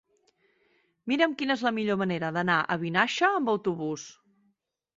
Mira'm quina és la millor manera d'anar a Vinaixa amb autobús.